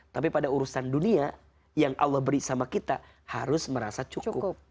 tapi pada urusan dunia yang allah beri sama kita harus merasa cukup